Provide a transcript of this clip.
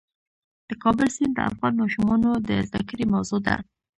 د کابل سیند د افغان ماشومانو د زده کړې موضوع ده.